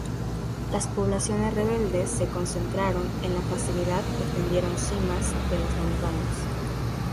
Las poblaciones rebeldes se concentraron en la facilidad defendieron cimas de las montañas.